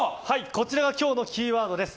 こちらが今日のキーワードです。